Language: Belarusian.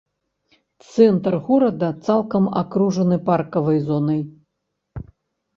Цэнтр горада цалкам акружаны паркавай зонай.